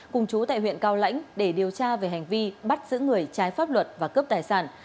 cùng chú tại huyện cao lãnh để điều tra về hành vi bắt giữ người trái pháp luật và cướp tài sản